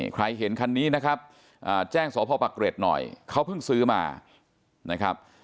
ใครเห็นคันนี้นะครับแจ้งสพปะเกร็ดหน่อยเขาเพิ่งซื้อมานะครับ